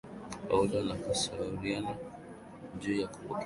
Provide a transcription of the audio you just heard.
Paulo na kushauriana juu ya kupokea Wapagani katika Ukristo Agano Jipya